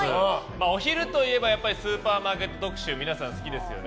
お昼といえばスーパーマーケット特集皆さん、好きですよね。